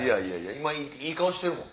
今いい顔してるもん。